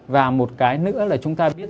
và một cái nữa là chúng ta biết